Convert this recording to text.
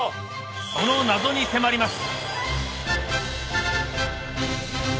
その謎に迫ります！